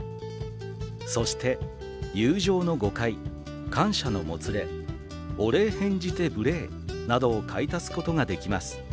「そして『友情の誤解』『感謝のもつれ』『お礼変じて無礼』などを買い足すことができます。